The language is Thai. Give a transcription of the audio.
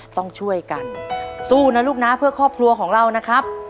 ต้องช่วยกันสู้นะลูกนะเพื่อครอบครัวของเรานะครับ